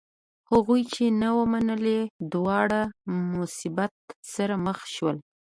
هغوی چې نه و منلی دواړه مصیبت سره مخ شول.